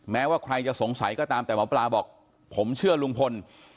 แม้ว่าใครจะสงสัยก็ตามแต่หมอปลาบอกผมเชื่อลุงพล